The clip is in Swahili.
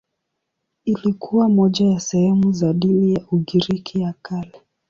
Ilikuwa moja ya sehemu za dini ya Ugiriki ya Kale.